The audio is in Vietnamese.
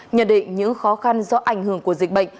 nhận định những khó khăn do ảnh hưởng của dịch bệnh